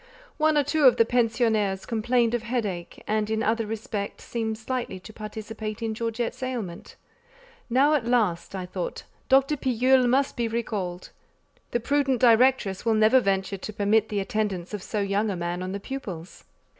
One or two of the pensionnaires complained of headache, and in other respects seemed slightly to participate in Georgette's ailment. "Now, at last," I thought, "Dr. Pillule must be recalled: the prudent directress will never venture to permit the attendance of so young a man on the pupils."